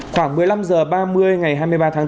khoảng một mươi năm h ba mươi ngày hai mươi ba tháng bốn